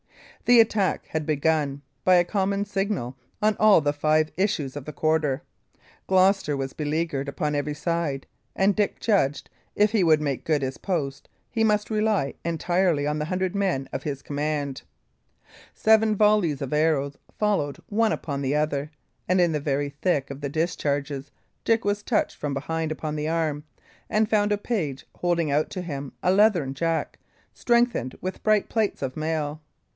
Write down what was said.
The attack had begun, by a common signal, on all the five issues of the quarter. Gloucester was beleaguered upon every side; and Dick judged, if he would make good his post, he must rely entirely on the hundred men of his command. Seven volleys of arrows followed one upon the other, and in the very thick of the discharges Dick was touched from behind upon the arm, and found a page holding out to him a leathern jack, strengthened with bright plates of mail.